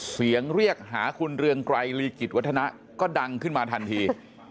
เสียงเรียกหาคุณเรืองไกรลีกิจวัฒนะก็ดังขึ้นมาทันที